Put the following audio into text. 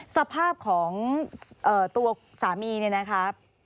สภาพของตัวสามีเนี่ยนะครับ